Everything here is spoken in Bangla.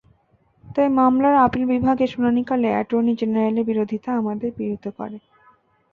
তাই মামলার আপিল বিভাগে শুনানিকালে অ্যাটর্নি জেনারেলের বিরোধিতা আমাদের পীড়িত করে।